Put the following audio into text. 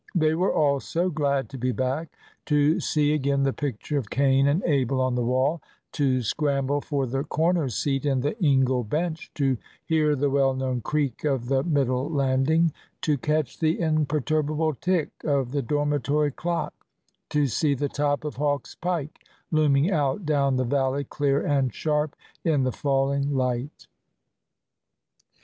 They were all so glad to be back, to see again the picture of Cain and Abel on the wall, to scramble for the corner seat in the ingle bench, to hear the well known creak on the middle landing, to catch the imperturbable tick of the dormitory clock, to see the top of Hawk's Pike looming out, down the valley, clear and sharp in the falling light.